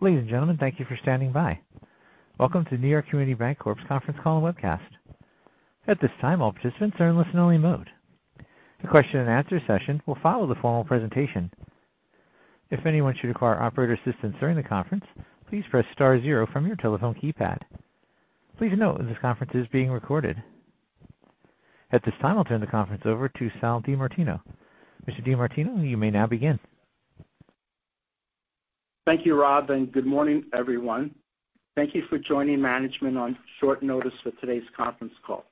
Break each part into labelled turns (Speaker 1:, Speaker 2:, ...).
Speaker 1: Ladies and gentlemen, thank you for standing by. Welcome to New York Community Bancorp's conference call and webcast. At this time, all participants are in listen-only mode. The question and answer session will follow the formal presentation. If anyone should require operator assistance during the conference, please press star zero from your telephone keypad. Please note, this conference is being recorded. At this time, I'll turn the conference over to Sal DiMartino. Mr. DiMartino, you may now begin.
Speaker 2: Thank you, Rob, and good morning, everyone. Thank you for joining management on short notice for today's conference call.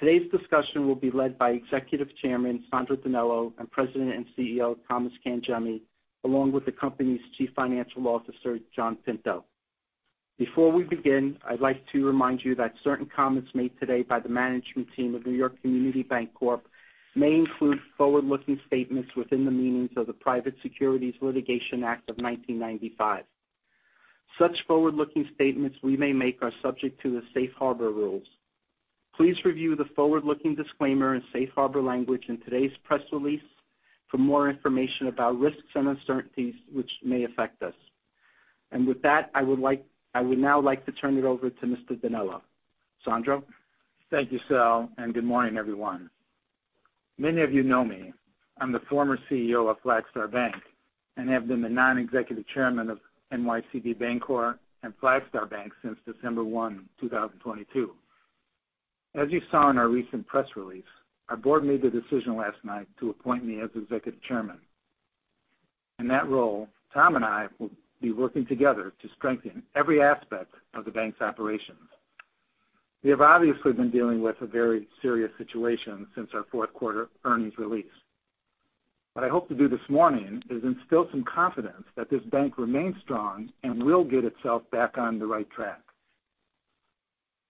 Speaker 2: Today's discussion will be led by Executive Chairman Sandro DiNello and President and CEO Thomas Cangemi, along with the company's Chief Financial Officer, John Pinto. Before we begin, I'd like to remind you that certain comments made today by the management team of New York Community Bancorp may include forward-looking statements within the meanings of the Private Securities Litigation Act of 1995. Such forward-looking statements we may make are subject to the safe harbor rules. Please review the forward-looking disclaimer and safe harbor language in today's press release for more information about risks and uncertainties which may affect us. With that, I would now like to turn it over to Mr. DiNello. Sandro?
Speaker 3: Thank you, Sal, and good morning, everyone. Many of you know me. I'm the former CEO of Flagstar Bank and have been the non-executive Chairman of NYCB Bancorp and Flagstar Bank since December 1, 2022. As you saw in our recent press release, our board made the decision last night to appoint me as Executive Chairman. In that role, Tom and I will be working together to strengthen every aspect of the bank's operations. We have obviously been dealing with a very serious situation since our fourth quarter earnings release. What I hope to do this morning is instill some confidence that this bank remains strong and will get itself back on the right track.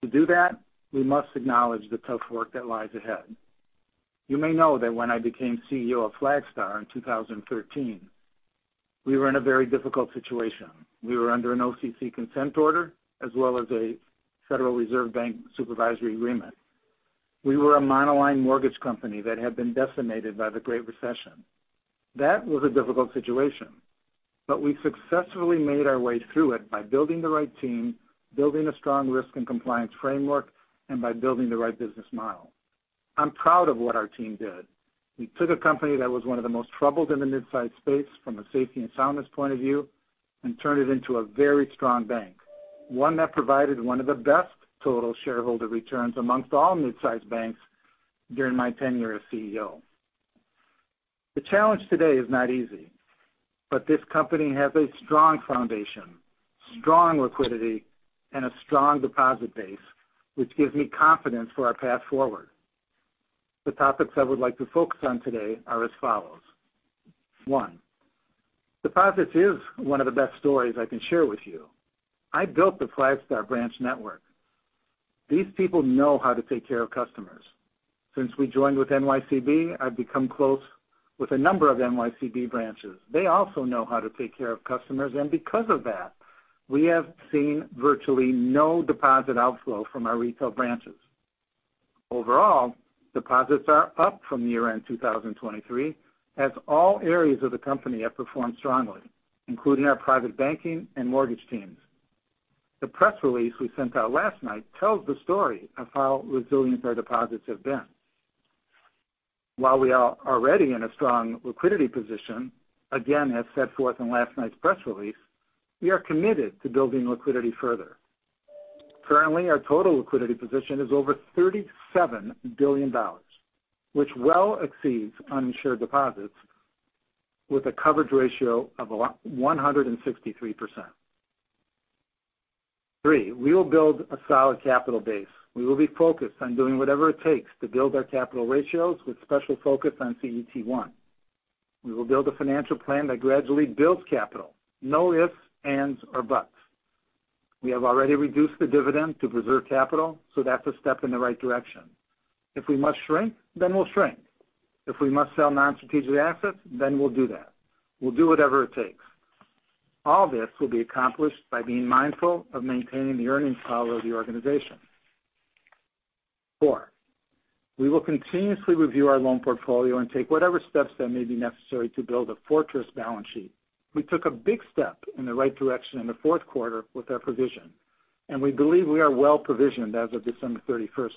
Speaker 3: To do that, we must acknowledge the tough work that lies ahead. You may know that when I became CEO of Flagstar in 2013, we were in a very difficult situation. We were under an OCC consent order, as well as a Federal Reserve Bank supervisory agreement. We were a monoline mortgage company that had been decimated by the Great Recession. That was a difficult situation, but we successfully made our way through it by building the right team, building a strong risk and compliance framework, and by building the right business model. I'm proud of what our team did. We took a company that was one of the most troubled in the mid-sized space from a safety and soundness point of view, and turned it into a very strong bank, one that provided one of the best total shareholder returns amongst all mid-sized banks during my tenure as CEO. The challenge today is not easy, but this company has a strong foundation, strong liquidity, and a strong deposit base, which gives me confidence for our path forward. The topics I would like to focus on today are as follows. One, deposits is one of the best stories I can share with you. I built the Flagstar branch network. These people know how to take care of customers. Since we joined with NYCB, I've become close with a number of NYCB branches. They also know how to take care of customers, and because of that, we have seen virtually no deposit outflow from our retail branches. Overall, deposits are up from year-end 2023, as all areas of the company have performed strongly, including our private banking and mortgage teams. The press release we sent out last night tells the story of how resilient our deposits have been. While we are already in a strong liquidity position, again, as set forth in last night's press release, we are committed to building liquidity further. Currently, our total liquidity position is over $37 billion, which well exceeds uninsured deposits with a coverage ratio of 163%. Three, we will build a solid capital base. We will be focused on doing whatever it takes to build our capital ratios with special focus on CET1. We will build a financial plan that gradually builds capital, no ifs, ands, or buts. We have already reduced the dividend to preserve capital, so that's a step in the right direction. If we must shrink, then we'll shrink. If we must sell non-strategic assets, then we'll do that. We'll do whatever it takes. All this will be accomplished by being mindful of maintaining the earnings power of the organization. 4, we will continuously review our loan portfolio and take whatever steps that may be necessary to build a fortress balance sheet. We took a big step in the right direction in the fourth quarter with our provision, and we believe we are well provisioned as of December 31st.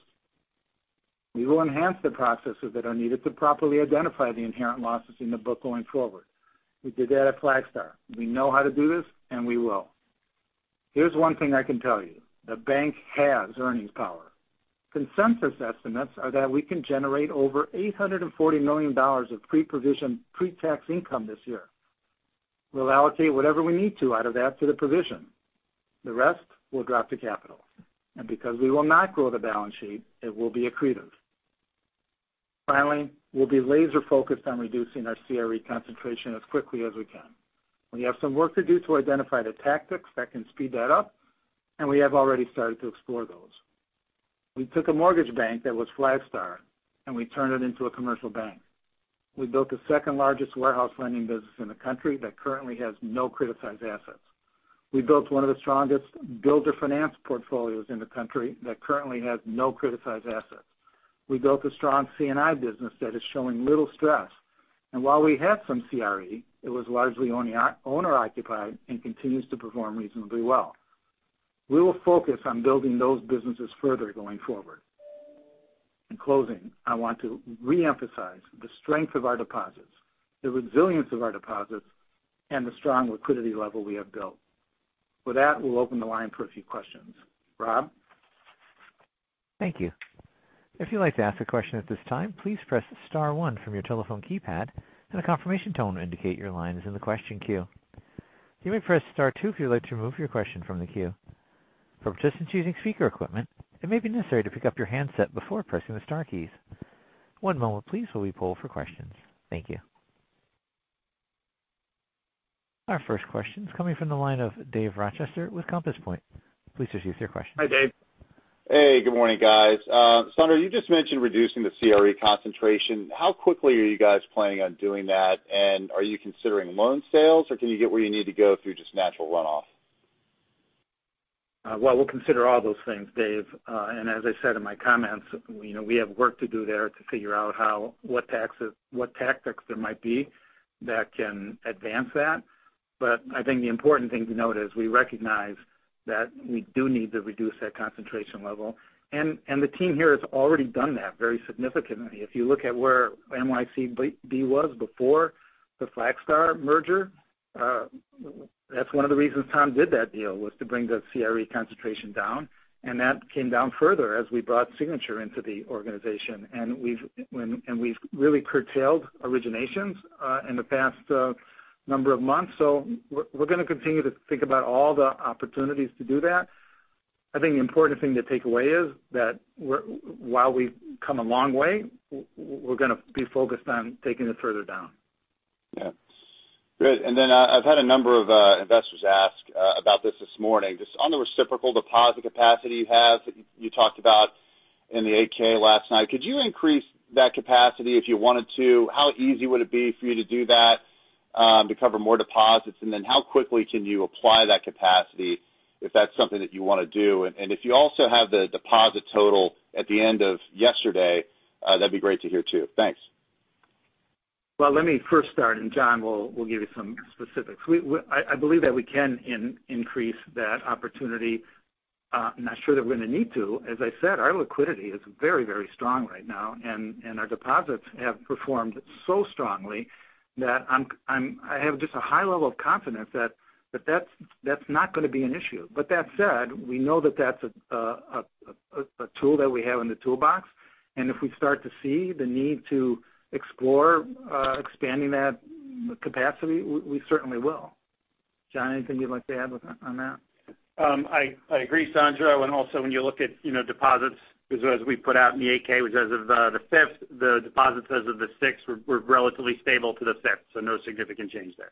Speaker 3: We will enhance the processes that are needed to properly identify the inherent losses in the book going forward. We did that at Flagstar. We know how to do this, and we will. Here's one thing I can tell you: the bank has earnings power. Consensus estimates are that we can generate over $840 million of pre-provision, pre-tax income this year. We'll allocate whatever we need to out of that to the provision. The rest will drop to capital, and because we will not grow the balance sheet, it will be accretive. Finally, we'll be laser-focused on reducing our CRE concentration as quickly as we can. We have some work to do to identify the tactics that can speed that up, and we have already started to explore those. We took a mortgage bank that was Flagstar, and we turned it into a commercial bank. We built the second-largest warehouse lending business in the country that currently has no criticized assets. We built one of the strongest builder finance portfolios in the country that currently has no criticized assets. We built a strong C&I business that is showing little stress. And while we had some CRE, it was largely owner, owner-occupied and continues to perform reasonably well. We will focus on building those businesses further going forward. In closing, I want to reemphasize the strength of our deposits, the resilience of our deposits, and the strong liquidity level we have built. With that, we'll open the line for a few questions. Rob?
Speaker 1: Thank you. If you'd like to ask a question at this time, please press star one from your telephone keypad, and a confirmation tone will indicate your line is in the question queue. You may press star two if you'd like to remove your question from the queue. For participants using speaker equipment, it may be necessary to pick up your handset before pressing the star keys. One moment please, while we poll for questions. Thank you. Our first question is coming from the line of Dave Rochester with Compass Point. Please proceed with your question.
Speaker 3: Hi, Dave.
Speaker 4: Hey, good morning, guys. Sandro, you just mentioned reducing the CRE concentration. How quickly are you guys planning on doing that? And are you considering loan sales, or can you get where you need to go through just natural runoff?
Speaker 3: Well, we'll consider all those things, Dave. And as I said in my comments, you know, we have work to do there to figure out how what taxes what tactics there might be that can advance that. But I think the important thing to note is we recognize that we do need to reduce that concentration level. And the team here has already done that very significantly. If you look at where NYCB was before the Flagstar merger, that's one of the reasons Tom did that deal, was to bring the CRE concentration down, and that came down further as we brought Signature into the organization. And we've really curtailed originations in the past number of months. So we're going to continue to think about all the opportunities to do that. I think the important thing to take away is that we're, while we've come a long way, we're going to be focused on taking it further down.
Speaker 4: Yeah. Great. And then I've had a number of investors ask about this this morning. Just on the reciprocal deposit capacity you have, you talked about in the 8-K last night. Could you increase that capacity if you wanted to? How easy would it be for you to do that, to cover more deposits? And then how quickly can you apply that capacity if that's something that you want to do? And if you also have the deposit total at the end of yesterday, that'd be great to hear, too. Thanks.
Speaker 3: Well, let me first start, and John will give you some specifics. We, I believe that we can increase that opportunity. I'm not sure that we're going to need to. As I said, our liquidity is very, very strong right now, and our deposits have performed so strongly that I have just a high level of confidence that that's not going to be an issue. But that said, we know that that's a tool that we have in the toolbox, and if we start to see the need to explore expanding that capacity, we certainly will. John, anything you'd like to add on that?
Speaker 5: I agree, Sandro. And also, when you look at, you know, deposits, as we put out in the 8-K, which as of the 5th, the deposits as of the 6th were relatively stable to the 5th, so no significant change there.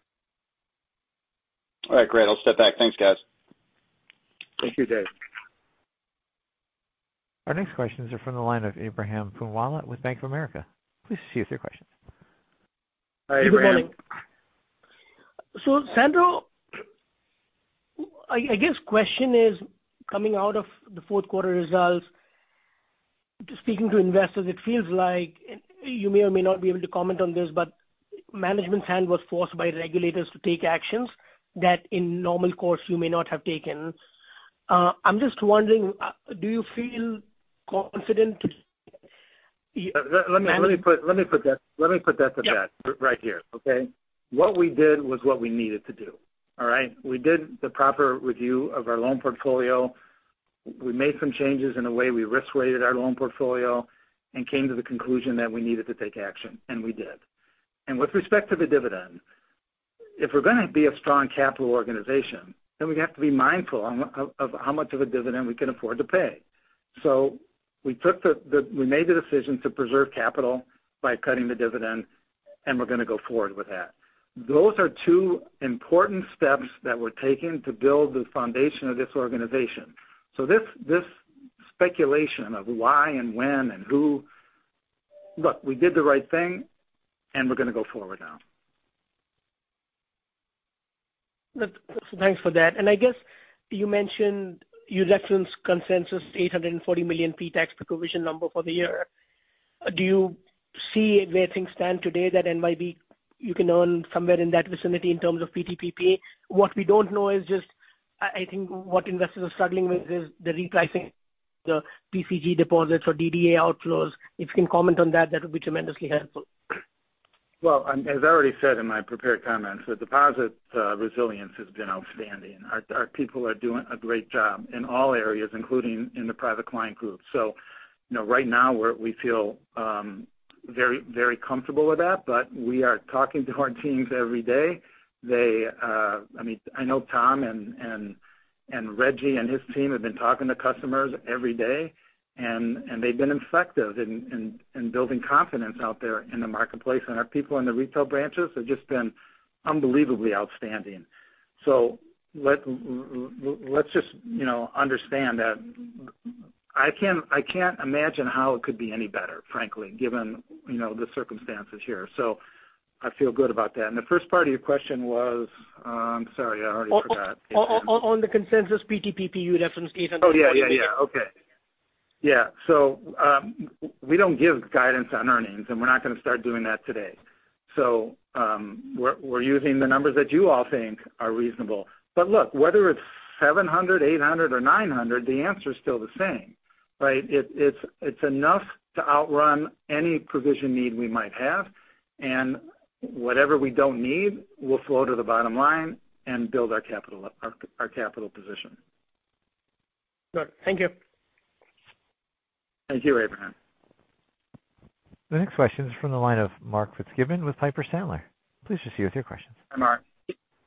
Speaker 4: All right, great. I'll step back. Thanks, guys.
Speaker 3: Thank you, Dave.
Speaker 1: Our next question is from the line of Ebrahim Poonawala with Bank of America. Please proceed with your questions.
Speaker 3: Hi, Abraham.
Speaker 6: Good morning. So Sandro, I guess question is, coming out of the fourth quarter results, speaking to investors, it feels like, you may or may not be able to comment on this, but management's hand was forced by regulators to take actions that in normal course you may not have taken. I'm just wondering, do you feel confident?
Speaker 3: Let me put that to bed.
Speaker 6: Yeah
Speaker 3: Right here, okay? What we did was what we needed to do. All right? We did the proper review of our loan portfolio. We made some changes in the way we risk-weighted our loan portfolio and came to the conclusion that we needed to take action, and we did. With respect to the dividend, if we're going to be a strong capital organization, then we have to be mindful of how much of a dividend we can afford to pay. So we took the—we made the decision to preserve capital by cutting the dividend, and we're going to go forward with that. Those are two important steps that we're taking to build the foundation of this organization. So this speculation of why and when and who... Look, we did the right thing, and we're going to go forward now.
Speaker 6: Thanks for that. And I guess you mentioned, you referenced the consensus $840 million pre-tax provision number for the year. Do you see where things stand today that NYB, you can earn somewhere in that vicinity in terms of PTPP? What we don't know is just, I, I think what investors are struggling with is the repricing, the PCG deposits or DDA outflows. If you can comment on that, that would be tremendously helpful.
Speaker 3: Well, as I already said in my prepared comments, the deposit resilience has been outstanding. Our people are doing a great job in all areas, including in the private client group. So you know, right now, we're, we feel very, very comfortable with that, but we are talking to our teams every day. I mean, I know Tom and Reggie and his team have been talking to customers every day, and they've been effective in building confidence out there in the marketplace. And our people in the retail branches have just been unbelievably outstanding. So let's just, you know, understand that I can't, I can't imagine how it could be any better, frankly, given, you know, the circumstances here. So I feel good about that. The first part of your question was, I'm sorry, I already forgot.
Speaker 6: On the consensus PTPPU reference case.
Speaker 3: Oh, yeah, yeah, yeah. Okay. Yeah. So, we don't give guidance on earnings, and we're not going to start doing that today. So, we're using the numbers that you all think are reasonable. But look, whether it's $700, $800 or $900, the answer is still the same, right? It's enough to outrun any provision need we might have, and whatever we don't need will flow to the bottom line and build our capital, our capital position.
Speaker 6: Good. Thank you.
Speaker 3: Thank you, Ebrahim.
Speaker 1: The next question is from the line of Mark Fitzgibbon with Piper Sandler. Please proceed with your questions.
Speaker 3: Hi, Mark.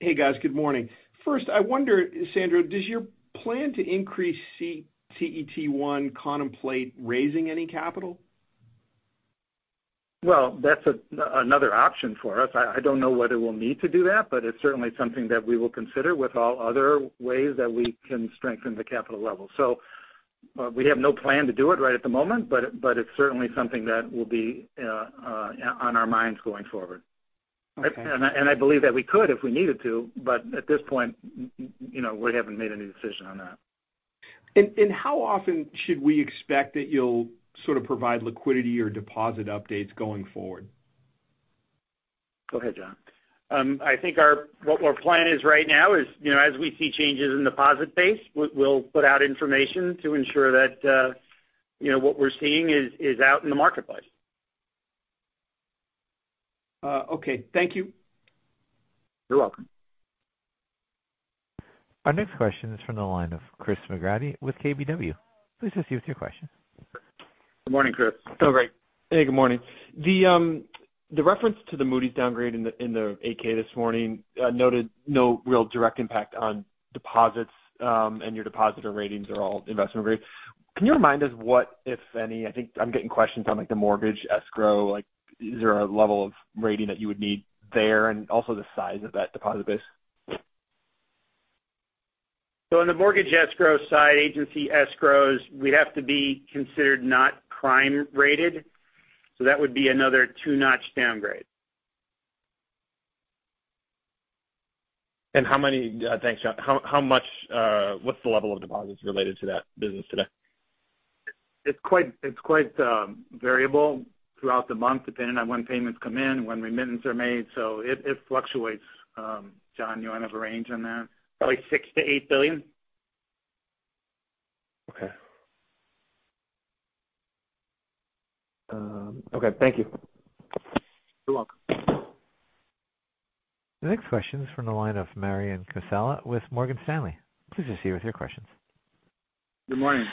Speaker 7: Hey, guys. Good morning. First, I wonder, Sandro, does your plan to increase CET1 contemplate raising any capital?
Speaker 3: Well, that's another option for us. I don't know whether we'll need to do that, but it's certainly something that we will consider with all other ways that we can strengthen the capital level. So, we have no plan to do it right at the moment, but it's certainly something that will be on our minds going forward.
Speaker 7: Okay.
Speaker 3: I believe that we could if we needed to, but at this point, you know, we haven't made any decision on that.
Speaker 7: How often should we expect that you'll sort of provide liquidity or deposit updates going forward?
Speaker 3: Go ahead, John.
Speaker 5: I think what our plan is right now is, you know, as we see changes in deposit base, we'll put out information to ensure that, you know, what we're seeing is out in the marketplace.
Speaker 7: Okay. Thank you.
Speaker 3: You're welcome.
Speaker 1: Our next question is from the line of Chris McGratty with KBW. Please proceed with your question.
Speaker 3: Good morning, Chris.
Speaker 8: Oh, great. Hey, good morning. The reference to the Moody's downgrade in the AK this morning noted no real direct impact on deposits, and your depositor ratings are all investment grade. Can you remind us what, if any, I think I'm getting questions on, like, the mortgage escrow, like, is there a level of rating that you would need there, and also the size of that deposit base?
Speaker 5: So in the mortgage escrow side, agency escrows, we'd have to be considered not prime rated, so that would be another two-notch downgrade.
Speaker 8: Thanks, John. How much, what's the level of deposits related to that business today?
Speaker 3: It's quite variable throughout the month, depending on when payments come in, when remittances are made, so it fluctuates. John, you want to have a range on that?
Speaker 5: Probably $6 billion to $8 billion.
Speaker 8: Okay. Okay. Thank you.
Speaker 3: You're welcome.
Speaker 1: The next question is from the line of Manan Gosalia with Morgan Stanley. Please proceed with your questions.
Speaker 3: Good morning.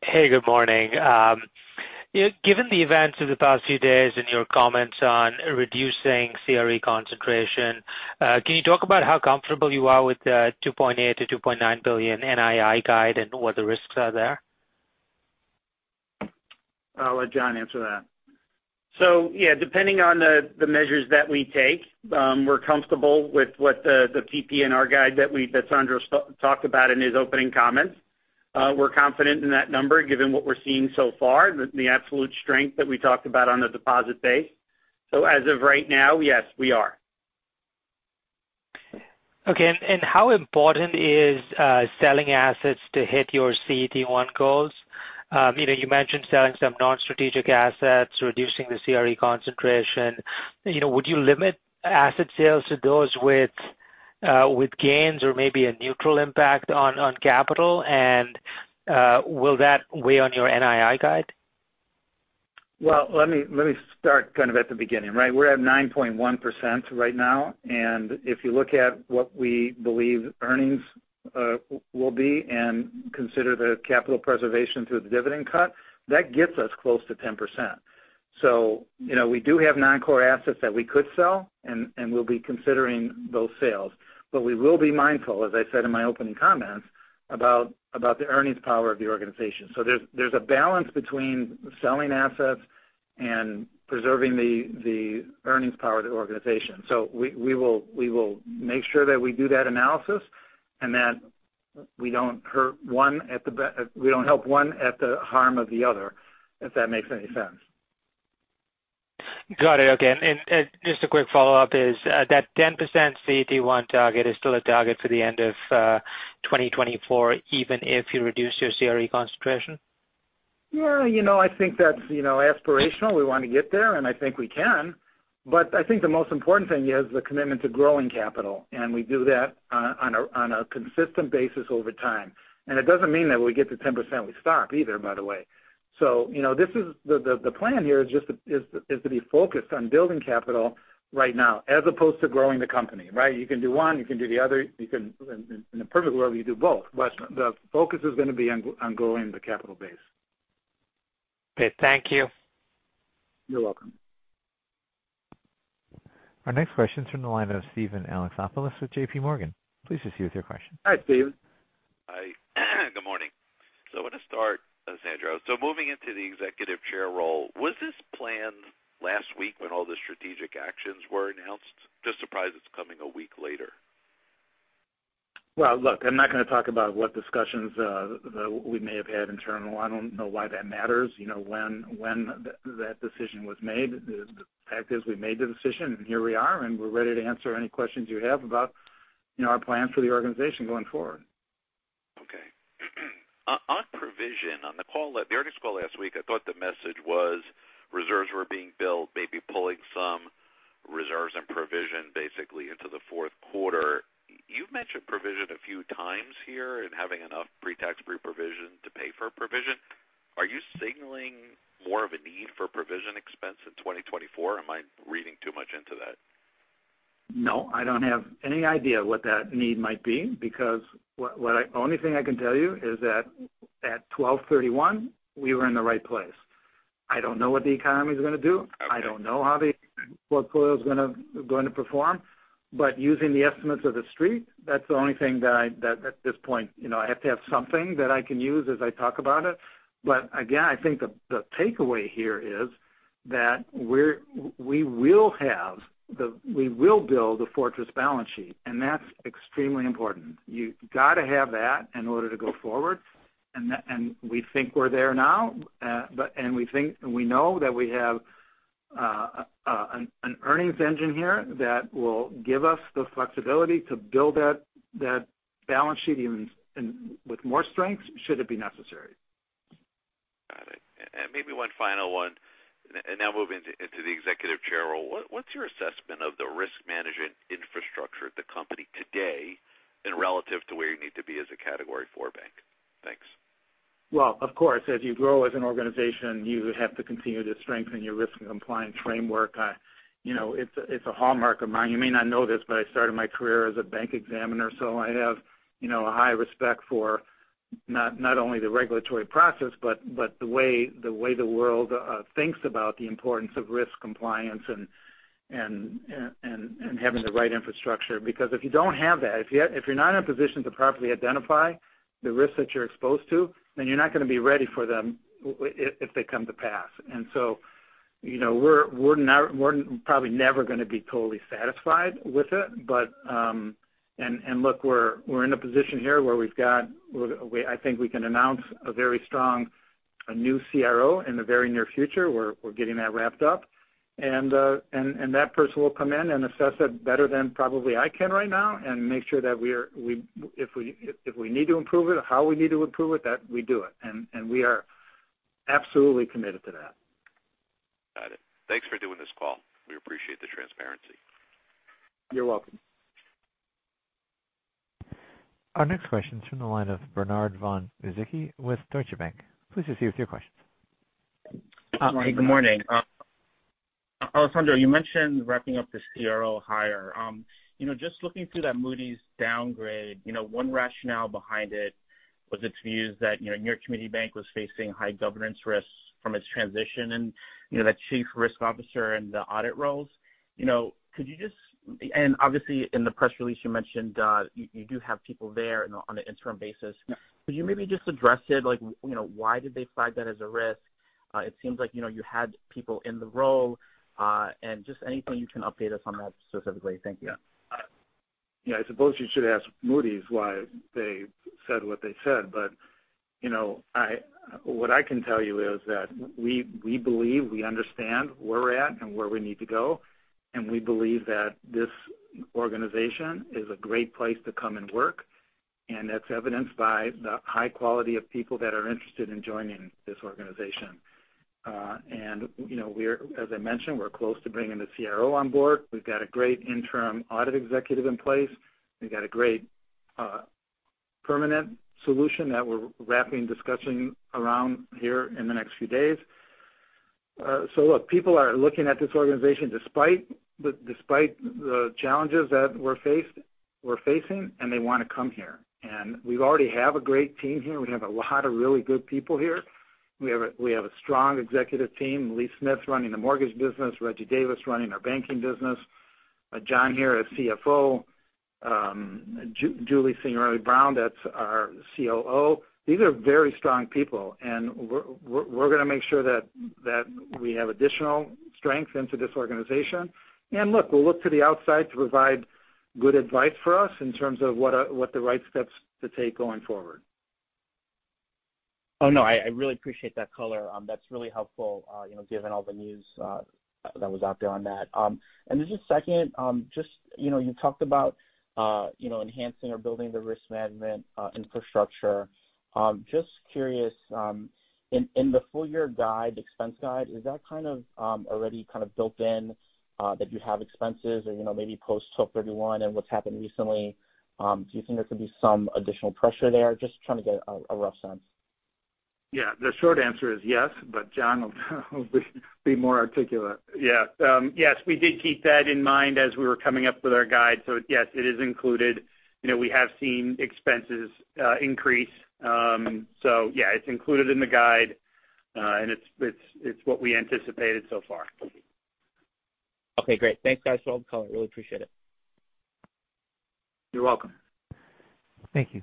Speaker 9: Hey, good morning. Given the events of the past few days and your comments on reducing CRE concentration, can you talk about how comfortable you are with the $2.8 billion to $2.9 billion NII guide and what the risks are there?
Speaker 3: I'll let John answer that.
Speaker 5: So yeah, depending on the measures that we take, we're comfortable with what the PPNR guide that Sandro talked about in his opening comments. We're confident in that number, given what we're seeing so far, the absolute strength that we talked about on the deposit base. So as of right now, yes, we are.
Speaker 9: Okay. And, and how important is selling assets to hit your CET1 goals? You know, you mentioned selling some non-strategic assets, reducing the CRE concentration. You know, would you limit asset sales to those with, with gains or maybe a neutral impact on, on capital? And, will that weigh on your NII guide?
Speaker 3: Well, let me, let me start kind of at the beginning, right? We're at 9.1% right now, and if you look at what we believe earnings will be and consider the capital preservation through the dividend cut, that gets us close to 10%. So, you know, we do have non-core assets that we could sell, and we'll be considering those sales. But we will be mindful, as I said in my opening comments, about the earnings power of the organization. So there's a balance between selling assets and preserving the earnings power of the organization. So we will make sure that we do that analysis and that we don't hurt one at the—we don't help one at the harm of the other, if that makes any sense.
Speaker 9: Got it. Okay. And just a quick follow-up is that 10% CET1 target is still a target for the end of 2024, even if you reduce your CRE concentration?
Speaker 3: Yeah, you know, I think that's, you know, aspirational. We want to get there, and I think we can. But I think the most important thing is the commitment to growing capital, and we do that on a consistent basis over time. And it doesn't mean that when we get to 10%, we stop either, by the way. So, you know, this is the plan here is just to be focused on building capital right now, as opposed to growing the company, right? You can do one, you can do the other, you can—in a perfect world, you do both, but the focus is going to be on growing the capital base.
Speaker 9: Okay. Thank you.
Speaker 3: You're welcome.
Speaker 1: Our next question is from the line of Steven Alexopoulos with JP Morgan. Please proceed with your question.
Speaker 3: Hi, Steven.
Speaker 10: Hi, good morning. So I want to start, Sandro. So moving into the executive chair role, was this planned last week when all the strategic actions were announced? Just surprised it's coming a week later.
Speaker 3: Well, look, I'm not going to talk about what discussions that we may have had internal. I don't know why that matters, you know, when that decision was made. The fact is we made the decision, and here we are, and we're ready to answer any questions you have about, you know, our plans for the organization going forward.
Speaker 10: Okay. On provision, on the call, the earnings call last week, I thought the message was reserves were being built, maybe pulling some reserves and provision basically into the fourth quarter. You've mentioned provision a few times here and having enough pre-tax pre-provision to pay for a provision. Are you signaling more of a need for provision expense in 2024? Am I reading too much into that?
Speaker 3: No, I don't have any idea what that need might be, because the only thing I can tell you is that at 12/31, we were in the right place. I don't know what the economy is going to do.
Speaker 10: Okay.
Speaker 3: I don't know how the portfolio is going to perform, but using the estimates of the Street, that's the only thing that at this point, you know, I have to have something that I can use as I talk about it. But again, I think the takeaway here is that we will build a fortress balance sheet, and that's extremely important. You've got to have that in order to go forward, and we think we're there now. But we know that we have an earnings engine here that will give us the flexibility to build that balance sheet even with more strength, should it be necessary.
Speaker 10: Got it. And maybe one final one, and now moving into the executive chair role. What, what's your assessment of the risk management infrastructure at the company today and relative to where you need to be as a Category Four Bank? Thanks.
Speaker 3: Well, of course, as you grow as an organization, you have to continue to strengthen your risk and compliance framework. You know, it's a hallmark of mine. You may not know this, but I started my career as a bank examiner, so I have, you know, a high respect for not only the regulatory process, but the way the world thinks about the importance of risk compliance and having the right infrastructure. Because if you're not in a position to properly identify the risks that you're exposed to, then you're not going to be ready for them when they come to pass. And so, you know, we're not - we're probably never going to be totally satisfied with it. But... Look, we're in a position here where I think we can announce a very strong, a new CRO in the very near future. We're getting that wrapped up. And that person will come in and assess it better than probably I can right now and make sure that if we need to improve it, how we need to improve it, that we do it, and we are absolutely committed to that.
Speaker 10: Got it. Thanks for doing this call. We appreciate the transparency.
Speaker 3: You're welcome.
Speaker 1: Our next question is from the line of Bernard Von Gizycki with Deutsche Bank. Please proceed with your questions.
Speaker 11: Good morning. Alessandro, you mentioned wrapping up the CRO hire. You know, just looking through that Moody's downgrade, you know, one rationale behind it was its views that, you know, New York Community Bank was facing high governance risks from its transition and, you know, that Chief Risk Officer and the audit roles. You know, could you just-- and obviously, in the press release you mentioned, you do have people there on an interim basis.
Speaker 3: Yeah.
Speaker 11: Could you maybe just address it like, you know, why did they flag that as a risk? It seems like, you know, you had people in the role, and just anything you can update us on that specifically. Thank you.
Speaker 3: Yeah. I suppose you should ask Moody's why they said what they said. But, you know, what I can tell you is that we, we believe, we understand where we're at and where we need to go, and we believe that this organization is a great place to come and work, and that's evidenced by the high quality of people that are interested in joining this organization. And, you know, we're, as I mentioned, we're close to bringing the CRO on board. We've got a great interim audit executive in place. We've got a great, permanent solution that we're wrapping discussion around here in the next few days. So look, people are looking at this organization despite the challenges that we're facing, and they want to come here. And we already have a great team here. We have a lot of really good people here. We have a strong executive team. Lee Smith is running the mortgage business, Reggie Davis running our banking business, John here as CFO, Julie Signorille-Browne, that's our COO. These are very strong people, and we're going to make sure that we have additional strength into this organization. And look, we'll look to the outside to provide good advice for us in terms of what are—what the right steps to take going forward.
Speaker 11: Oh, no, I really appreciate that color. That's really helpful, you know, given all the news that was out there on that. And just second, just, you know, you talked about, you know, enhancing or building the risk management infrastructure. Just curious, in the full year guide, expense guide, is that kind of already kind of built in, that you have expenses or, you know, maybe post 12/31 and what's happened recently? Do you think there could be some additional pressure there? Just trying to get a rough sense.
Speaker 3: Yeah. The short answer is yes, but John will be more articulate.
Speaker 5: Yeah. Yes, we did keep that in mind as we were coming up with our guide. So yes, it is included. You know, we have seen expenses increase. So yeah, it's included in the guide, and it's what we anticipated so far.
Speaker 11: Okay, great. Thanks, guys, for all the color. Really appreciate it.
Speaker 3: You're welcome.
Speaker 1: Thank you.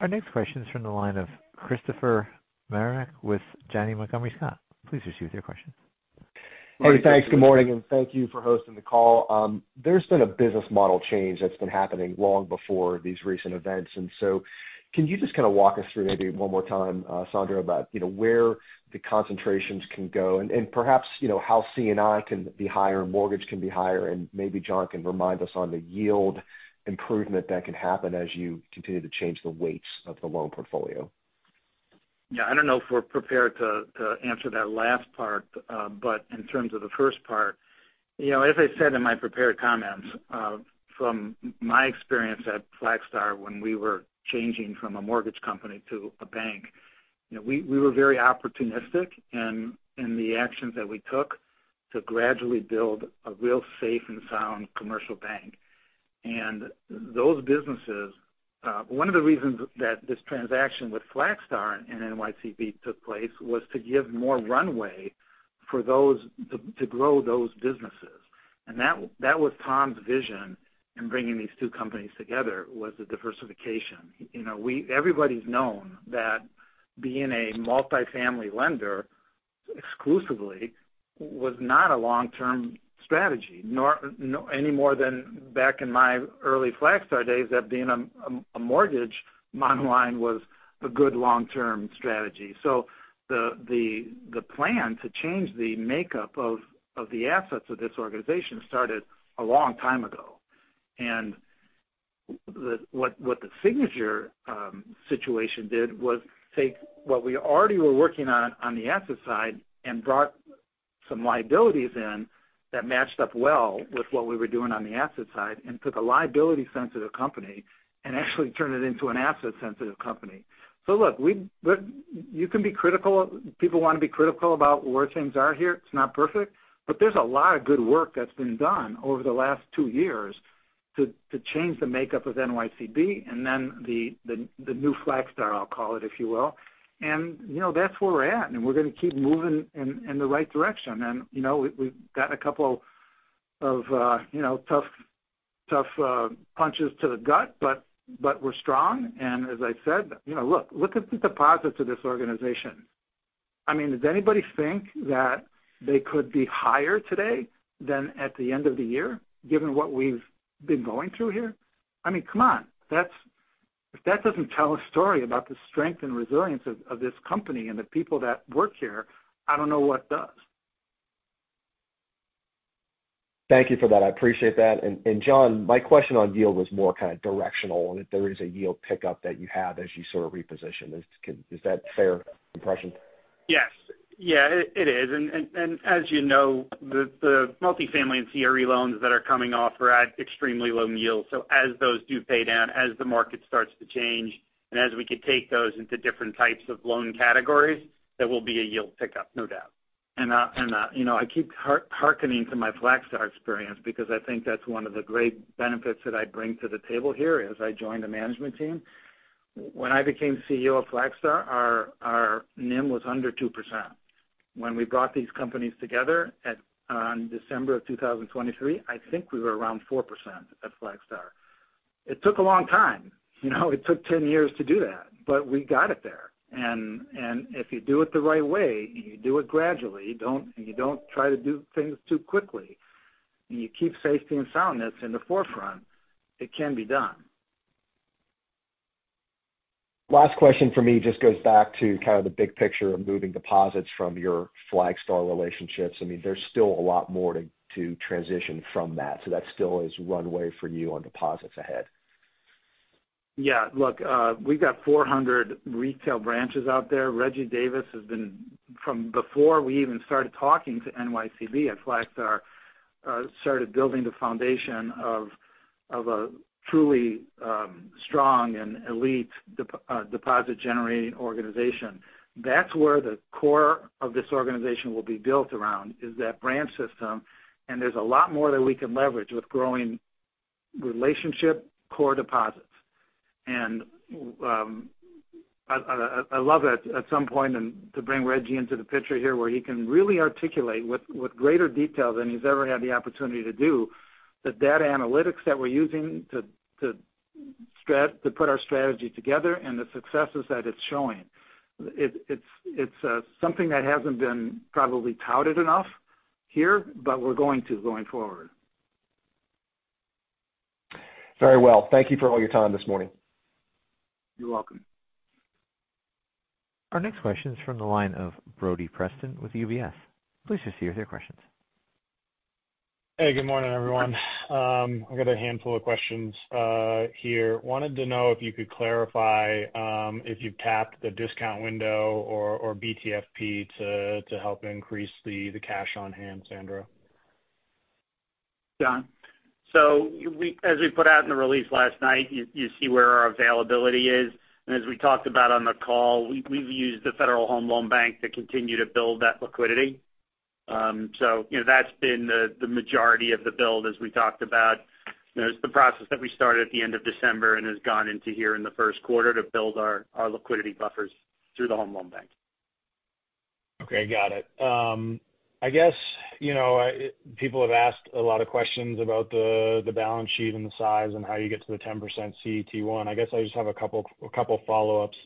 Speaker 1: Our next question is from the line of Christopher Marinac with Janney Montgomery Scott. Please proceed with your question....
Speaker 12: Hey, thanks. Good morning, and thank you for hosting the call. There's been a business model change that's been happening long before these recent events. And so can you just kind of walk us through maybe one more time, Sandro, about, you know, where the concentrations can go? And, and perhaps, you know, how C&I can be higher, and mortgage can be higher, and maybe John can remind us on the yield improvement that can happen as you continue to change the weights of the loan portfolio.
Speaker 3: Yeah, I don't know if we're prepared to answer that last part. But in terms of the first part, you know, as I said in my prepared comments, from my experience at Flagstar, when we were changing from a mortgage company to a bank, you know, we were very opportunistic in the actions that we took to gradually build a real safe and sound commercial bank. And those businesses, one of the reasons that this transaction with Flagstar and NYCB took place was to give more runway for those to grow those businesses. And that was Tom's vision in bringing these two companies together, was the diversification. You know, everybody's known that being a multifamily lender exclusively was not a long-term strategy, nor any more than back in my early Flagstar days, that being a mortgage model line was a good long-term strategy. So the plan to change the makeup of the assets of this organization started a long time ago. And what the Signature situation did was take what we already were working on, on the asset side and brought some liabilities in that matched up well with what we were doing on the asset side, and took a liability-sensitive company and actually turned it into an asset-sensitive company. So look, but you can be critical. People want to be critical about where things are here. It's not perfect, but there's a lot of good work that's been done over the last two years to change the makeup of NYCB and then the new Flagstar, I'll call it, if you will. And, you know, that's where we're at, and we're going to keep moving in the right direction. And, you know, we've gotten a couple of, you know, tough punches to the gut, but we're strong. And as I said, you know, look at the deposits of this organization. I mean, does anybody think that they could be higher today than at the end of the year, given what we've been going through here? I mean, come on! That's, if that doesn't tell a story about the strength and resilience of this company and the people that work here, I don't know what does.
Speaker 12: Thank you for that. I appreciate that. And John, my question on yield was more kind of directional, and if there is a yield pickup that you have as you sort of reposition. Is that fair impression?
Speaker 5: Yes. Yeah, it is. And as you know, the multifamily and CRE loans that are coming off are at extremely low yields. So as those do pay down, as the market starts to change, and as we could take those into different types of loan categories, there will be a yield pickup, no doubt. And, and, you know, I keep hearkening to my Flagstar experience because I think that's one of the great benefits that I bring to the table here as I join the management team. When I became CEO of Flagstar, our NIM was under 2%. When we brought these companies together on December of 2023, I think we were around 4% at Flagstar. It took a long time. You know, it took 10 years to do that, but we got it there. And, and if you do it the right way, you do it gradually, don't, you don't try to do things too quickly, and you keep safety and soundness in the forefront, it can be done.
Speaker 12: Last question for me just goes back to kind of the big picture of moving deposits from your Flagstar relationships. I mean, there's still a lot more to, to transition from that, so that still is runway for you on deposits ahead.
Speaker 5: Yeah. Look, we've got 400 retail branches out there. Reggie Davis has been from before we even started talking to NYCB at Flagstar, started building the foundation of a truly strong and elite deposit-generating organization. That's where the core of this organization will be built around, is that branch system, and there's a lot more that we can leverage with growing relationship core deposits. And, I'd love at some point to bring Reggie into the picture here, where he can really articulate with greater detail than he's ever had the opportunity to do, the data analytics that we're using to put our strategy together and the successes that it's showing. It's something that hasn't been probably touted enough here, but we're going to going forward.
Speaker 12: Very well. Thank you for all your time this morning.
Speaker 3: You're welcome.
Speaker 1: Our next question is from the line of Brodie Preston with UBS. Please proceed with your questions.
Speaker 13: Hey, good morning, everyone. I've got a handful of questions here. Wanted to know if you could clarify if you've tapped the discount window or BTFP to help increase the cash on hand, Sandro.
Speaker 3: John,
Speaker 5: So we, as we put out in the release last night, you see where our availability is. As we talked about on the call, we've used the Federal Home Loan Bank to continue to build that liquidity. So, you know, that's been the majority of the build, as we talked about. You know, it's the process that we started at the end of December and has gone into here in the first quarter to build our liquidity buffers through the Home Loan Bank.
Speaker 13: Okay, got it. I guess, you know, people have asked a lot of questions about the balance sheet and the size and how you get to the 10% CET1. I guess I just have a couple follow-ups.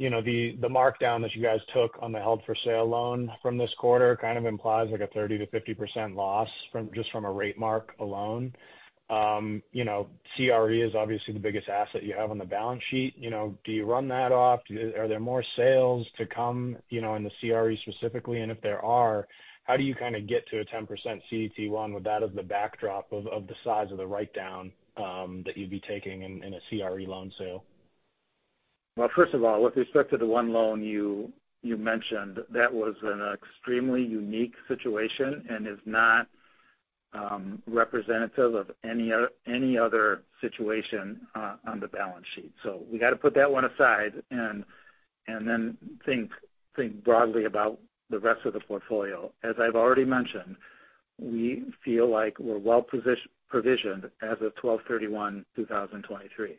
Speaker 13: You know, the markdown that you guys took on the held-for-sale loan from this quarter kind of implies like a 30% to 50% loss from just from a rate mark alone. You know, CRE is obviously the biggest asset you have on the balance sheet, you know. Do you run that off? Are there more sales to come, you know, in the CRE specifically? And if there are, how do you kind of get to a 10% CET1 with that as the backdrop of the size of the write-down that you'd be taking in a CRE loan sale?
Speaker 3: Well, first of all, with respect to the one loan you mentioned, that was an extremely unique situation and is not representative of any other situation on the balance sheet. So we got to put that one aside and then think broadly about the rest of the portfolio. As I've already mentioned, we feel like we're well provisioned as of 12/31/2023.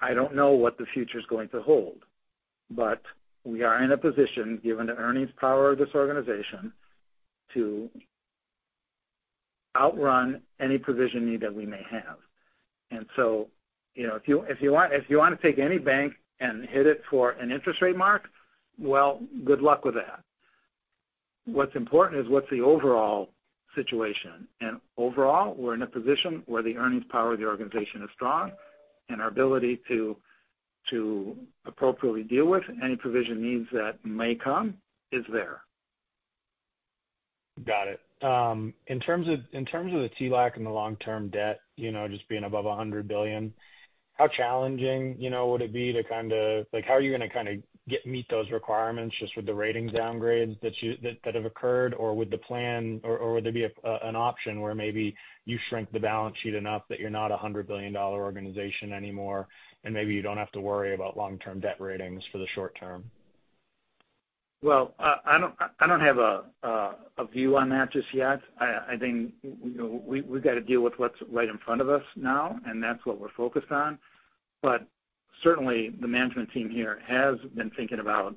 Speaker 3: I don't know what the future's going to hold, but we are in a position, given the earnings power of this organization, to outrun any provision need that we may have. And so, you know, if you want to take any bank and hit it for an interest rate mark, well, good luck with that. What's important is what's the overall situation. Overall, we're in a position where the earnings power of the organization is strong, and our ability to appropriately deal with any provision needs that may come is there.
Speaker 13: Got it. In terms of, in terms of the TLAC and the long-term debt, you know, just being above $100 billion, how challenging, you know, would it be to kind of like, how are you going to kind of meet those requirements just with the ratings downgrades that have occurred? Or would there be an option where maybe you shrink the balance sheet enough that you're not a $100 billion organization anymore, and maybe you don't have to worry about long-term debt ratings for the short term?
Speaker 3: Well, I don't have a view on that just yet. I think, you know, we've got to deal with what's right in front of us now, and that's what we're focused on. But certainly, the management team here has been thinking about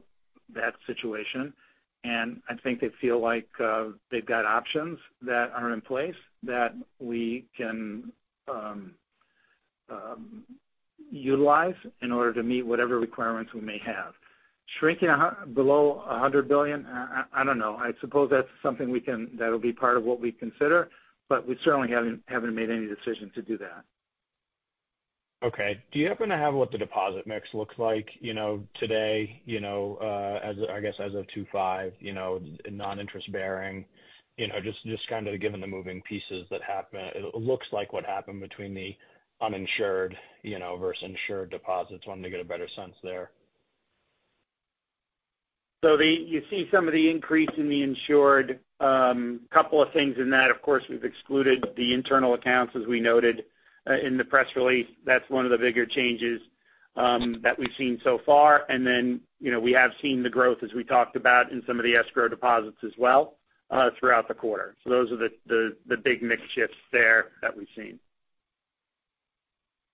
Speaker 3: that situation, and I think they feel like they've got options that are in place that we can utilize in order to meet whatever requirements we may have. Shrinking below $100 billion, I don't know. I suppose that's something we can, that'll be part of what we consider, but we certainly haven't made any decision to do that.
Speaker 13: Okay. Do you happen to have what the deposit mix looks like, you know, today, you know, as, I guess, as of 2/5, you know, non-interest bearing? You know, just, just kind of given the moving pieces that happen, it looks like what happened between the uninsured, you know, versus insured deposits. Wanted to get a better sense there.
Speaker 5: So you see some of the increase in the insured. Couple of things in that, of course, we've excluded the internal accounts, as we noted in the press release. That's one of the bigger changes that we've seen so far. And then, you know, we have seen the growth, as we talked about, in some of the escrow deposits as well, throughout the quarter. So those are the big mix shifts there that we've seen.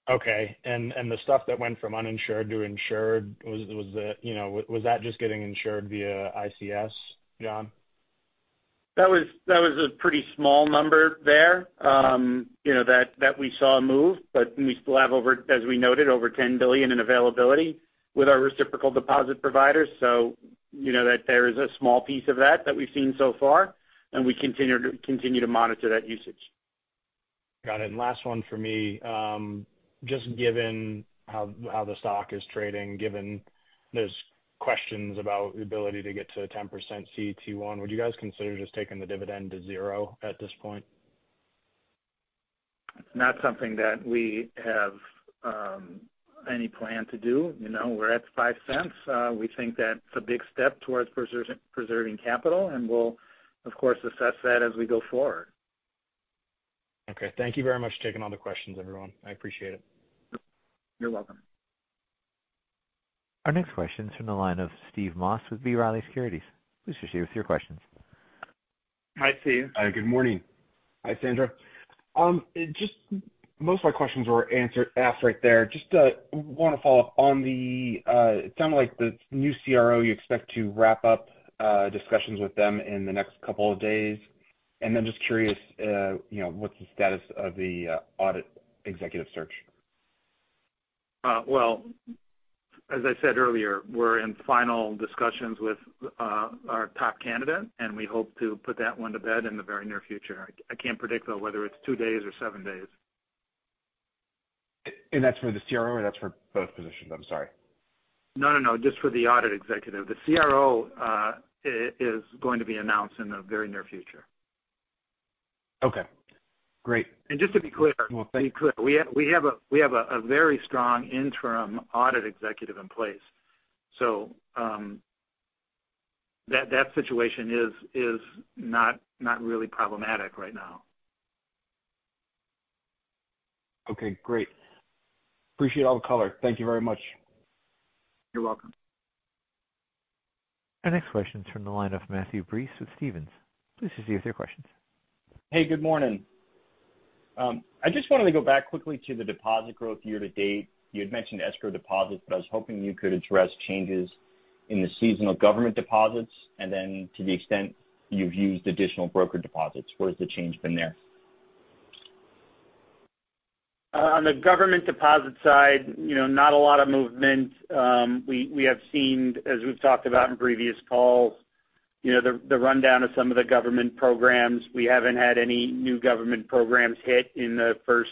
Speaker 13: Okay. And the stuff that went from uninsured to insured was, you know, was that just getting insured via ICS, John?
Speaker 5: That was a pretty small number there, you know, that we saw move, but we still have, as we noted, over $10 billion in availability with our reciprocal deposit providers. So you know that there is a small piece of that that we've seen so far, and we continue to monitor that usage.
Speaker 13: Got it. Last one for me. Just given how the stock is trading, given there's questions about the ability to get to a 10% CET1, would you guys consider just taking the dividend to zero at this point?
Speaker 3: It's not something that we have any plan to do. You know, we're at $0.05. We think that's a big step towards preserving capital, and we'll, of course, assess that as we go forward.
Speaker 13: Okay. Thank you very much for taking all the questions, everyone. I appreciate it.
Speaker 3: You're welcome.
Speaker 1: Our next question is from the line of Steve Moss with B. Riley Securities. Please proceed with your questions.
Speaker 3: Hi, Steve.
Speaker 14: Hi, good morning. Hi, Sandro. Just most of my questions were answered right there. Just want to follow up on the, it sounded like the new CRO, you expect to wrap up discussions with them in the next couple of days. And then just curious, you know, what's the status of the audit executive search?
Speaker 3: Well, as I said earlier, we're in final discussions with our top candidate, and we hope to put that one to bed in the very near future. I, I can't predict, though, whether it's two days or seven days.
Speaker 14: That's for the CRO or that's for both positions? I'm sorry.
Speaker 3: No, no, no, just for the audit executive. The CRO is going to be announced in the very near future.
Speaker 14: Okay, great.
Speaker 3: Just to be clear-
Speaker 14: Well, thank you.
Speaker 3: We have a very strong interim audit executive in place. So, that situation is not really problematic right now.
Speaker 14: Okay, great. Appreciate all the color. Thank you very much.
Speaker 3: You're welcome.
Speaker 1: Our next question is from the line of Matthew Breese with Stephens. Please proceed with your questions.
Speaker 15: Hey, good morning. I just wanted to go back quickly to the deposit growth year to date. You had mentioned escrow deposits, but I was hoping you could address changes in the seasonal government deposits, and then to the extent you've used additional broker deposits, where has the change been there?...
Speaker 3: On the government deposit side, you know, not a lot of movement. We have seen, as we've talked about in previous calls, you know, the rundown of some of the government programs. We haven't had any new government programs hit in the first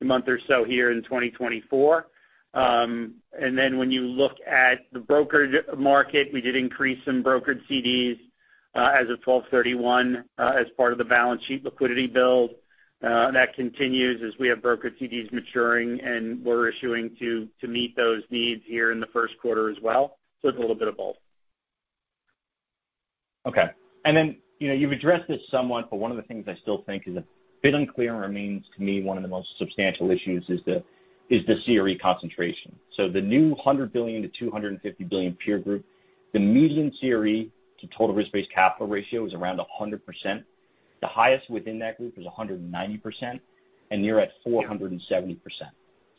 Speaker 3: month or so here in 2024. And then when you look at the brokered market, we did increase some brokered CDs as of 12/31 as part of the balance sheet liquidity build. That continues as we have brokered CDs maturing, and we're issuing to meet those needs here in the first quarter as well. So it's a little bit of both.
Speaker 15: Okay. And then, you know, you've addressed this somewhat, but one of the things I still think is a bit unclear and remains, to me, one of the most substantial issues is the, is the CRE concentration. So the new $100 billion to $250 billion peer group, the median CRE to total risk-based capital ratio is around 100%. The highest within that group is 190%, and you're at 470%.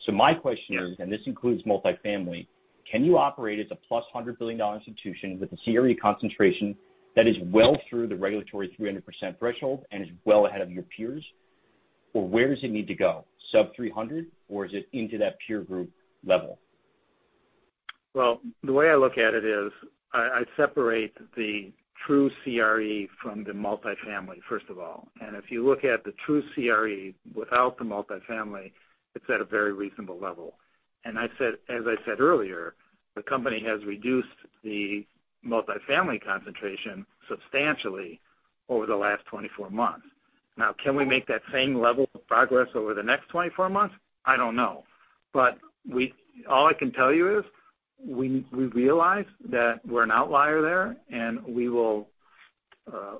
Speaker 15: So my question is-
Speaker 3: Yes.
Speaker 15: This includes multifamily: Can you operate as a +$100 billion institution with a CRE concentration that is well through the regulatory 300% threshold and is well ahead of your peers? Or where does it need to go, sub-300, or is it into that peer group level?
Speaker 3: Well, the way I look at it is I, I separate the true CRE from the multifamily, first of all. And if you look at the true CRE without the multifamily, it's at a very reasonable level. And I said, as I said earlier, the company has reduced the multifamily concentration substantially over the last 24 months. Now, can we make that same level of progress over the next 24 months? I don't know. But we, all I can tell you is, we, we realize that we're an outlier there, and we will,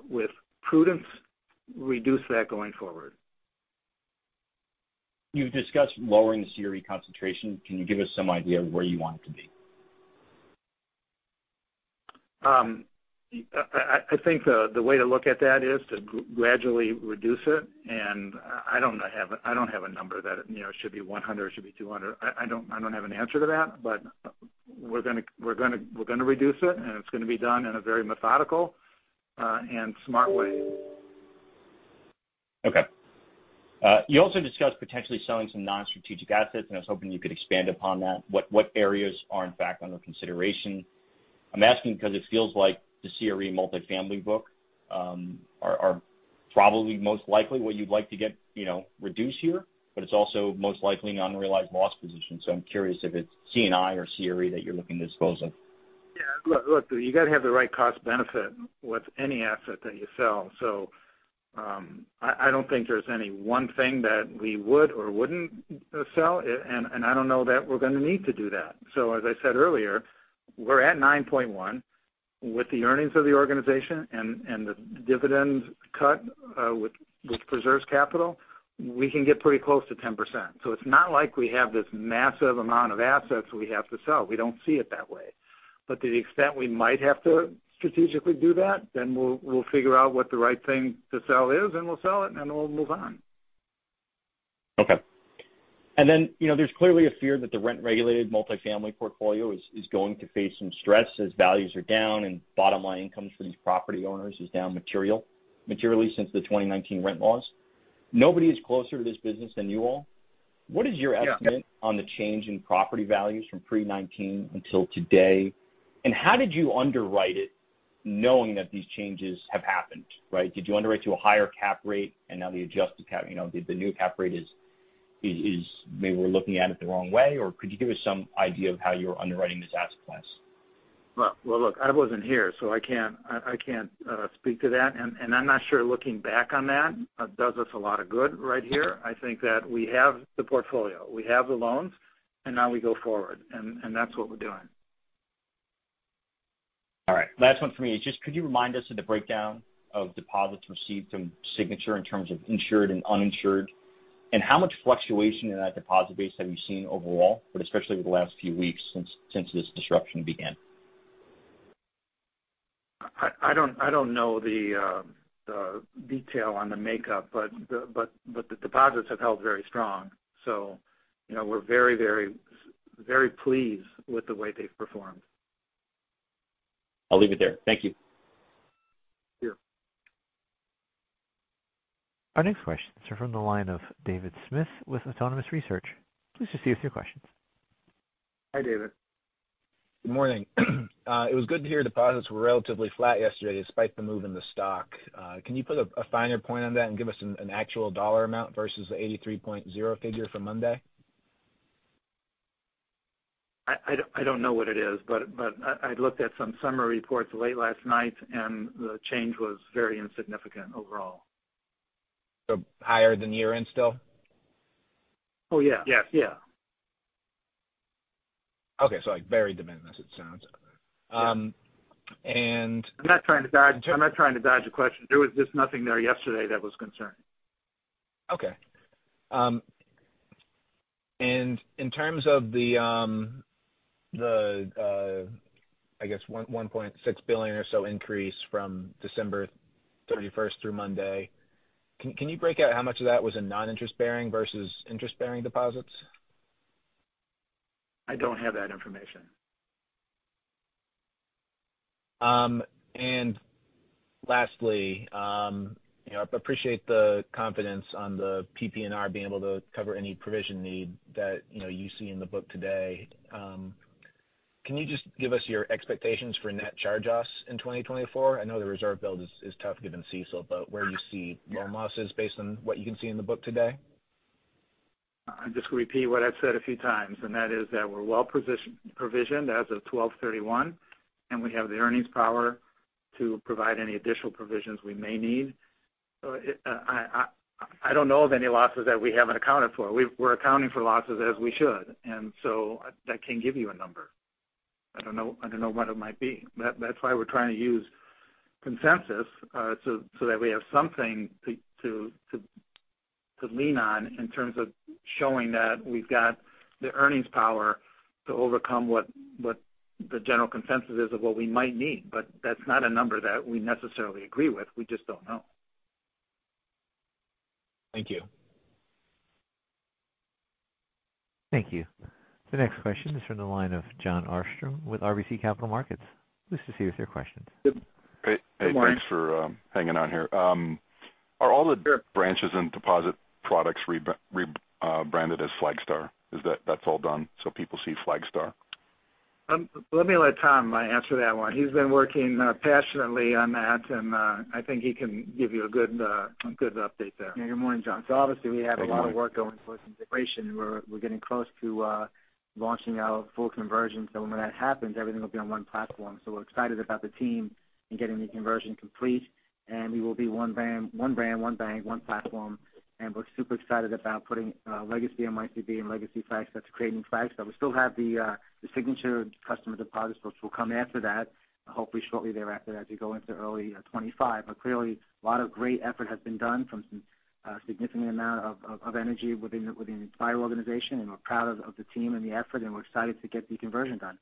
Speaker 3: with prudence, reduce that going forward.
Speaker 15: You've discussed lowering the CRE concentration. Can you give us some idea of where you want it to be?
Speaker 3: I think the way to look at that is to gradually reduce it, and I don't have a number that, you know, should be 100, it should be 200. I don't have an answer to that, but we're gonna reduce it, and it's gonna be done in a very methodical and smart way.
Speaker 15: Okay. You also discussed potentially selling some non-strategic assets, and I was hoping you could expand upon that. What, what areas are, in fact, under consideration? I'm asking because it feels like the CRE multifamily book are probably most likely what you'd like to get, you know, reduced here, but it's also most likely an unrealized loss position. So I'm curious if it's C&I or CRE that you're looking to dispose of.
Speaker 3: Yeah. Look, look, you got to have the right cost benefit with any asset that you sell. So, I don't think there's any one thing that we would or wouldn't sell, and I don't know that we're gonna need to do that. So as I said earlier, we're at 9.1. With the earnings of the organization and the dividend cut, which preserves capital, we can get pretty close to 10%. So it's not like we have this massive amount of assets we have to sell. We don't see it that way. But to the extent we might have to strategically do that, then we'll figure out what the right thing to sell is, and we'll sell it, and then we'll move on.
Speaker 15: Okay. And then, you know, there's clearly a fear that the rent-regulated multifamily portfolio is going to face some stress as values are down and bottom-line income for these property owners is down materially since the 2019 rent laws. Nobody is closer to this business than you all.
Speaker 3: Yeah.
Speaker 15: What is your estimate on the change in property values from pre-2019 until today, and how did you underwrite it, knowing that these changes have happened, right? Did you underwrite to a higher cap rate, and now the adjusted cap, you know, the new cap rate is, maybe we're looking at it the wrong way, or could you give us some idea of how you're underwriting this asset class?
Speaker 3: Well, well, look, I wasn't here, so I can't speak to that. I'm not sure looking back on that does us a lot of good right here. I think that we have the portfolio, we have the loans, and now we go forward, and that's what we're doing.
Speaker 15: All right. Last one from me is just could you remind us of the breakdown of deposits received from Signature in terms of insured and uninsured, and how much fluctuation in that deposit base have you seen overall, but especially over the last few weeks since this disruption began?
Speaker 3: I don't know the detail on the makeup, but the deposits have held very strong, so you know, we're very, very, very pleased with the way they've performed.
Speaker 15: I'll leave it there. Thank you.
Speaker 3: Sure.
Speaker 1: Our next questions are from the line of David Smith with Autonomous Research. Please proceed with your questions.
Speaker 3: Hi, David.
Speaker 16: Good morning. It was good to hear deposits were relatively flat yesterday despite the move in the stock. Can you put a finer point on that and give us an actual dollar amount versus the $83.0 figure from Monday?
Speaker 3: I don't know what it is, but I looked at some summary reports late last night, and the change was very insignificant overall.
Speaker 16: Higher than year-end still?
Speaker 3: Oh, yeah. Yes. Yeah.
Speaker 16: Okay. So, like, very de minimis, it sounds.
Speaker 3: I'm not trying to dodge the question. There was just nothing there yesterday that was concerning.
Speaker 16: Okay. And in terms of the, I guess $1.6 billion or so increase from December thirty-first through Monday, can you break out how much of that was in non-interest bearing versus interest-bearing deposits?
Speaker 3: I don't have that information....
Speaker 16: And lastly, you know, I appreciate the confidence on the PPNR being able to cover any provision need that, you know, you see in the book today. Can you just give us your expectations for net charge-offs in 2024? I know the reserve build is tough given CECL, but where you see loan losses based on what you can see in the book today?
Speaker 3: I'm just going to repeat what I've said a few times, and that is that we're well positioned as of 12/31, and we have the earnings power to provide any additional provisions we may need. So I don't know of any losses that we haven't accounted for. We're accounting for losses as we should, and so I can't give you a number. I don't know what it might be. That's why we're trying to use consensus, so that we have something to lean on in terms of showing that we've got the earnings power to overcome what the general consensus is of what we might need. But that's not a number that we necessarily agree with. We just don't know.
Speaker 16: Thank you.
Speaker 1: Thank you. The next question is from the line of Jon Arfstrom with RBC Capital Markets. Please proceed with your questions.
Speaker 17: Hey, hey.
Speaker 3: Good morning.
Speaker 17: Thanks for hanging out here. Are all the branches and deposit products rebranded as Flagstar? Is that all done, so people see Flagstar?
Speaker 3: Let me let Tom answer that one. He's been working passionately on that, and I think he can give you a good update there.
Speaker 18: Yeah. Good morning, John.
Speaker 17: Thank you.
Speaker 18: So obviously, we have a lot of work going towards integration. We're getting close to launching our full conversion. So when that happens, everything will be on one platform. So we're excited about the team and getting the conversion complete, and we will be one band- one brand, one bank, one platform. And we're super excited about putting legacy NYCB and legacy Flagstar to create new Flagstar. We still have the Signature customer deposit, which will come after that, hopefully shortly thereafter, as we go into early 2025. But clearly, a lot of great effort has been done from a significant amount of energy within the entire organization, and we're proud of the team and the effort, and we're excited to get the conversion done.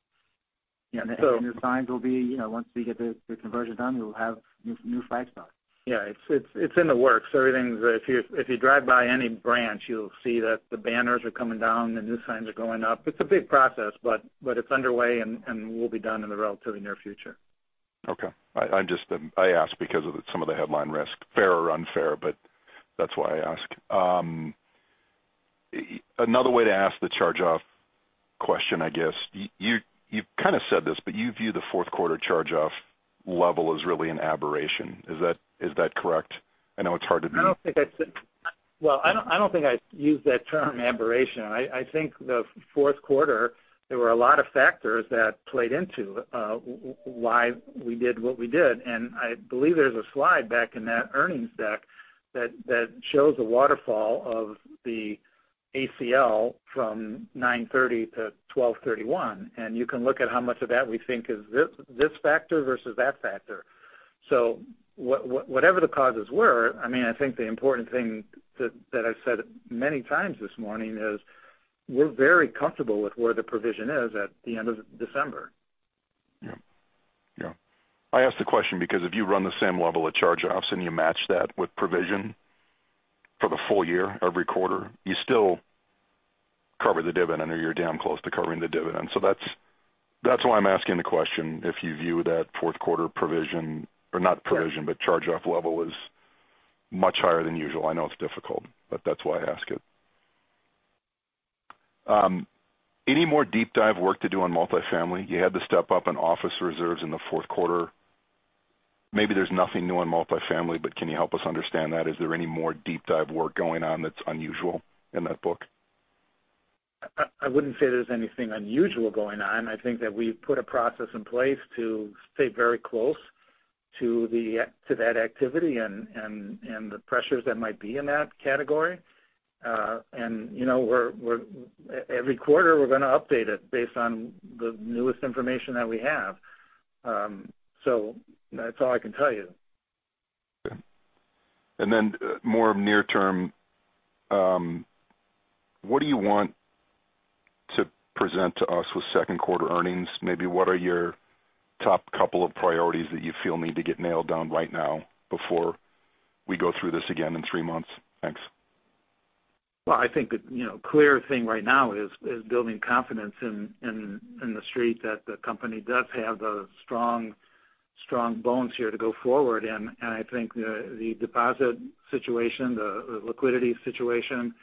Speaker 18: The signs will be, you know, once we get the conversion done, we'll have new Flagstar.
Speaker 3: Yeah, it's in the works. Everything's... If you drive by any branch, you'll see that the banners are coming down, the new signs are going up. It's a big process, but it's underway and will be done in the relatively near future.
Speaker 17: Okay. I just ask because of some of the headline risk, fair or unfair, but that's why I ask. Another way to ask the charge-off question, I guess. You, you've kind of said this, but you view the fourth quarter charge-off level as really an aberration. Is that, is that correct? I know it's hard to do.
Speaker 3: I don't think I said... Well, I don't, I don't think I'd use that term, aberration. I think the fourth quarter, there were a lot of factors that played into why we did what we did, and I believe there's a slide back in that earnings deck that shows a waterfall of the ACL from 9/30 to 12/31. And you can look at how much of that we think is this factor versus that factor. So whatever the causes were, I mean, I think the important thing that I've said many times this morning is, we're very comfortable with where the provision is at the end of December.
Speaker 17: Yeah. Yeah. I asked the question because if you run the same level of charge-offs and you match that with provision for the full year, every quarter, you still cover the dividend, or you're damn close to covering the dividend. So that's, that's why I'm asking the question. If you view that fourth quarter provision, or not provision-
Speaker 3: Yeah.
Speaker 17: - but charge-off level is much higher than usual. I know it's difficult, but that's why I ask it. Any more deep dive work to do on multifamily? You had to step up on office reserves in the fourth quarter. Maybe there's nothing new on multifamily, but can you help us understand that? Is there any more deep dive work going on that's unusual in that book?
Speaker 3: I wouldn't say there's anything unusual going on. I think that we've put a process in place to stay very close to that activity and the pressures that might be in that category. And, you know, every quarter, we're gonna update it based on the newest information that we have. So that's all I can tell you.
Speaker 17: Okay. And then more near term, what do you want to present to us with second quarter earnings? Maybe what are your top couple of priorities that you feel need to get nailed down right now before we go through this again in three months? Thanks.
Speaker 3: Well, I think, you know, the clear thing right now is building confidence in the street that the company does have the strong bones here to go forward. I think the deposit situation, the liquidity situation,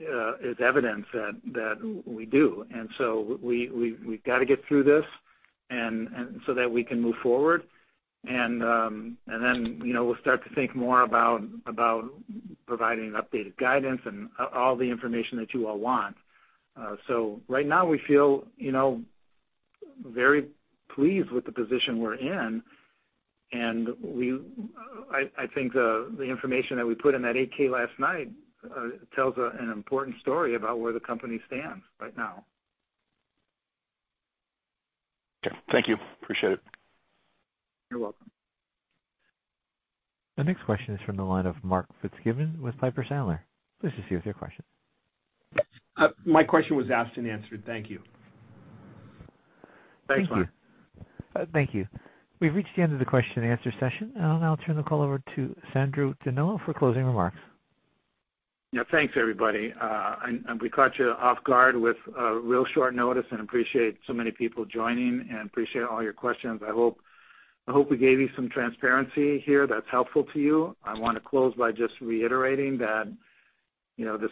Speaker 3: is evidence that we do. So we, we've got to get through this and so that we can move forward. Then, you know, we'll start to think more about providing updated guidance and all the information that you all want. So right now we feel, you know, very pleased with the position we're in, and I think the information that we put in that AK last night tells an important story about where the company stands right now.
Speaker 17: Okay. Thank you. Appreciate it.
Speaker 3: You're welcome.
Speaker 1: The next question is from the line of Mark Fitzgibbon with Piper Sandler. Please proceed with your question.
Speaker 7: My question was asked and answered. Thank you.
Speaker 3: Thanks, Mark.
Speaker 1: Thank you. Thank you. We've reached the end of the question and answer session. I'll now turn the call over to Alessandro DiNello for closing remarks.
Speaker 3: Yeah, thanks, everybody. And we caught you off guard with real short notice and appreciate so many people joining and appreciate all your questions. I hope we gave you some transparency here that's helpful to you. I want to close by just reiterating that, you know, the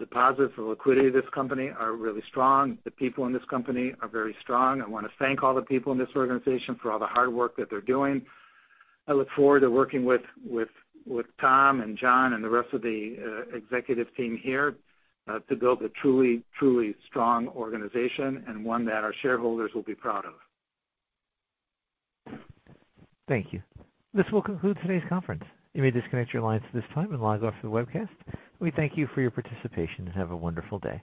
Speaker 3: deposits, the liquidity of this company are really strong. The people in this company are very strong. I want to thank all the people in this organization for all the hard work that they're doing. I look forward to working with Tom and John and the rest of the executive team here to build a truly strong organization and one that our shareholders will be proud of.
Speaker 1: Thank you. This will conclude today's conference. You may disconnect your lines at this time and log off to the webcast. We thank you for your participation, and have a wonderful day.